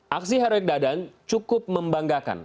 aksi heroik dadan cukup membanggakan